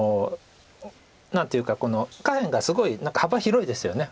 何ていうかこの下辺がすごい幅広いですよね。